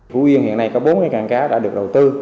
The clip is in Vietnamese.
phú yên hiện nay có bốn ngàn cá đã được đầu tư